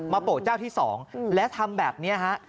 มาโปเจ้าที่สองและทำแบบนี้ฮะ